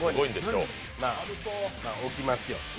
置きますよ。